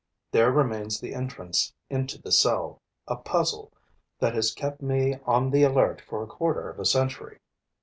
There remains the entrance into the cell, a puzzle that has kept me on the alert for a quarter of a century.